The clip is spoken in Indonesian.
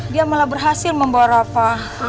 dia malah berhasil membawa rafah